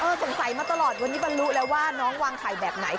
สงสัยมาตลอดวันนี้บรรลุแล้วว่าน้องวางไข่แบบไหน